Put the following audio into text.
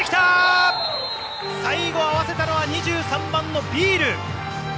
最後、合わせたのは２３番のビール。